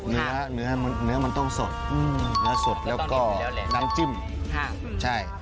เนื้อมันต้องสดแล้วก็น้ำจิ้มใช่